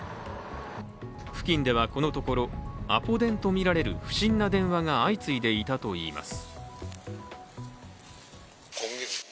付近ではこのところ、アポ電と見られる不審な電話が相次いでいたといいます。